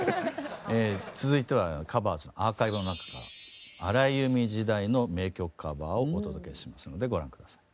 続いては「ＴｈｅＣｏｖｅｒｓ」のアーカイブの中から荒井由実時代の名曲カバーをお届けしますのでご覧下さい。